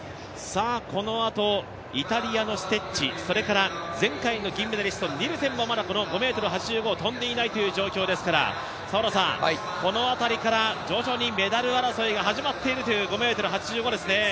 このあとイタリアのステッチ、それから前回の銀メダリスト、ニルセンもまだ５ｍ８５を跳んでいないという状況ですからこのあたりから徐々にメダル争いが始まっているという５ｍ８５ですね。